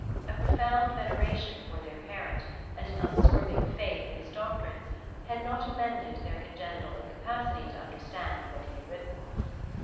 A profound veneration for their parent and an unswerving faith in his doctrines had not amended their congenital incapacity to understand what he had written.